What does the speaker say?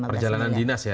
perjalanan dinas ya